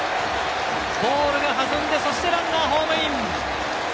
ボールが弾んで、そしてランナー、ホームイン！